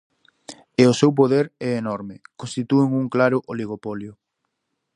E o seu poder é enorme: constitúen un claro oligopolio.